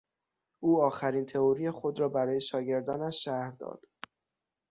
او آخرین تئوری خود را برای شاگردانش شرح داد.